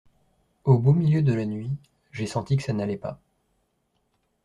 Au beau milieu de la nuit, j’ai senti que ça n’allait pas.